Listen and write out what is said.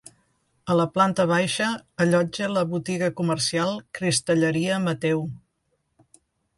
A la planta baixa allotja la botiga comercial Cristalleria Mateu.